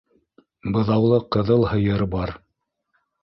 Быҙаулы ҡыҙыл һыйыр бар.